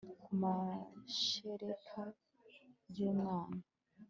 ku mashereka byu mwana